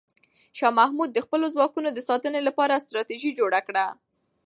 شاه محمود د خپلو ځواکونو د ساتنې لپاره ستراتیژي جوړه کړه.